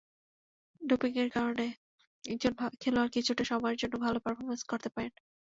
ডোপিংয়ের কারণে একজন খেলোয়াড় কিছুটা সময়ের জন্য ভালো পারফরম্যান্স করতে পারেন।